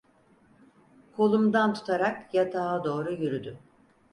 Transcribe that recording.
Kolumdan tutarak yatağa doğru yürüdü.